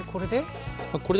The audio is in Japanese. これで。